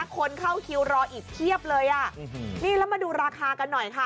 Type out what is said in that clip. คนเข้าคิวรออีกเพียบเลยอ่ะนี่แล้วมาดูราคากันหน่อยค่ะ